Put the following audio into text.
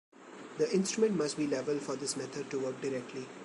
The instrument must be level for this method to work directly.